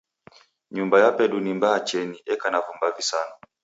Nyumba yapedu ni mbaa cheni, eka na vumba visanu.